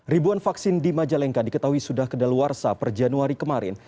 ribuan vaksin di majalengka diketahui sudah kedaluarsa per januari kemarin